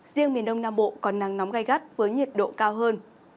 riêng miền đông nam bộ có nắng nóng gai gắt với nhiệt độ cao hơn